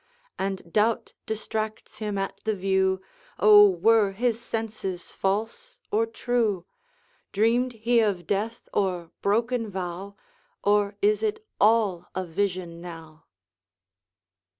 And doubt distracts him at the view, O were his senses false or true? Dreamed he of death or broken vow, Or is it all a vision now?